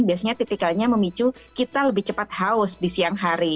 biasanya tipikalnya memicu kita lebih cepat haus di siang hari